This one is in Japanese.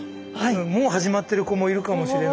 もう始まってる子もいるかもしれない。